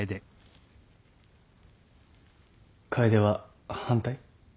楓は反対？